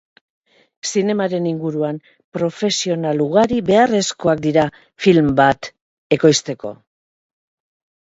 Zinemaren inguruan, profesional ugari beharrezkoak dira film bat ekoizteko.